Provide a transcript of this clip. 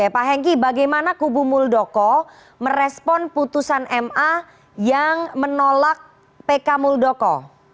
pak hengki bagaimana kubu muldoko merespon putusan ma yang menolak pk muldoko